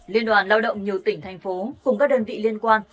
liên đoàn lao động nhiều tỉnh thành phố cùng các đơn vị liên quan